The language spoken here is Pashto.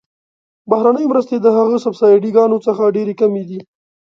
بهرنۍ مرستې د هغه سبسایډي ګانو څخه ډیرې کمې دي.